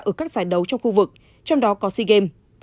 ở các giải đấu trong khu vực trong đó có sea games